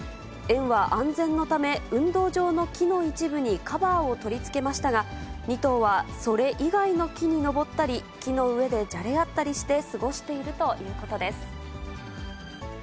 園は安全のため、運動場の木の一部にカバーを取り付けましたが、２頭はそれ以外の木に登ったり、木の上でじゃれ合ったりして過ごしているということです。